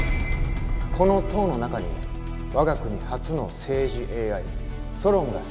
この塔の中に我が国初の政治ＡＩソロンが設置されております。